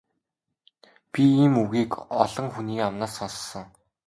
Би ийм үгийг олон хүний амнаас сонссон.